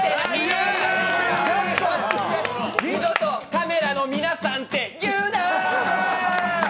二度とカメラの皆さんって言うな。